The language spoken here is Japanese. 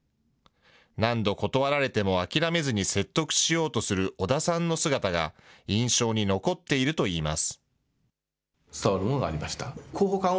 何度断られても諦めずに説得しようとする織田さんの姿が印象に残っているといいます。